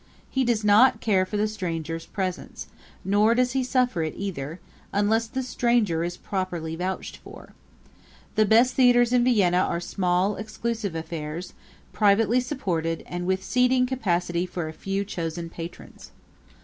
He does not care for the stranger's presence, nor does he suffer it either unless the stranger is properly vouched for. The best theaters in Vienna are small, exclusive affairs, privately supported, and with seating capacity for a few chosen patrons.